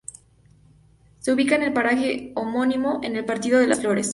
Se ubica en el paraje homónimo, en el Partido de Las Flores.